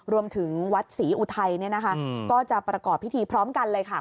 รวมถึงวัดศรีอุทัยก็จะประกอบพิธีพร้อมกันเลยค่ะ